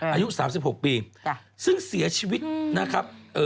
อายุ๓๖ปีซึ่งเสียชีวิตนะครับ